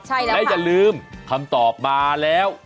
และอย่าลืมคำตอบมาแล้ว